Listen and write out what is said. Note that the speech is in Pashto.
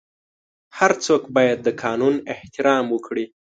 هر څوک باید د قانون احترام وکړي.